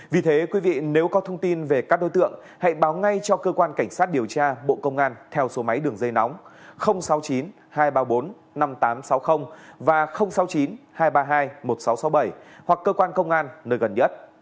vì thế quý vị nếu có thông tin về các đối tượng hãy báo ngay cho cơ quan cảnh sát điều tra bộ công an theo số máy đường dây nóng sáu mươi chín hai trăm ba mươi bốn năm nghìn tám trăm sáu mươi và sáu mươi chín hai trăm ba mươi hai một nghìn sáu trăm sáu mươi bảy hoặc cơ quan công an nơi gần nhất